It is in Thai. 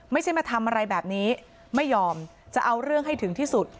ไม่ใช่มาทำอะไรแบบนี้ไม่ยอมจะเอาเรื่องให้ถึงที่สุด